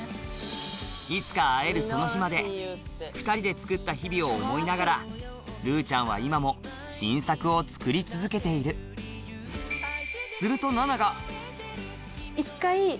いつか会えるその日まで２人で作った日々を思いながらるぅちゃんは今も新作を作り続けている１回。